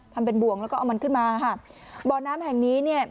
ทำเป็นบ่วงแล้วก็เอามันขึ้นมาค่ะบ่อน้ำแห่งนี้เนี่ย